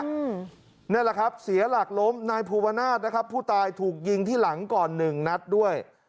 นี่แหละครับเสียหลักล้มนายภูวนาศนะครับผู้ตายถูกยิงที่หลังก่อนหนึ่งนัดด้วย